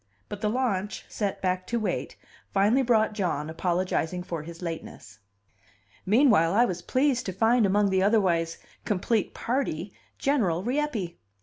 But the launch, sent back to wait, finally brought John, apologizing for his lateness. Meanwhile, I was pleased to find among the otherwise complete party General Rieppe.